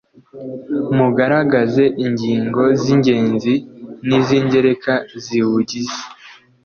mugaragaze ingingo z’ingenzi n’iz’ingereka ziwugize